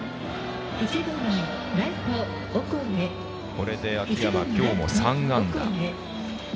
これで、秋山今日も３安打。